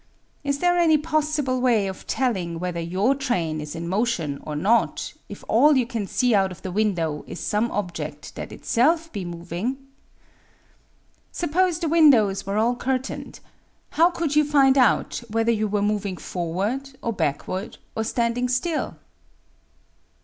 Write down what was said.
Is there any possible way of telling whether your train is in motion or not if all you can see out of the window is some object that itself be moving? Suppose the windows were all cur tained, how could you find out whether you were mov ing forward or backward or standing still